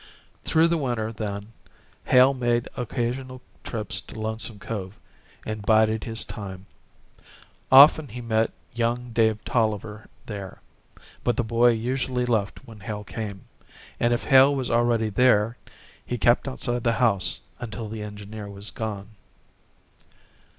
Through the winter, then, Hale made occasional trips to Lonesome Cove and bided his time. Often he met young Dave Tolliver there, but the boy usually left when Hale came, and if Hale was already there, he kept outside the house, until the engineer was gone.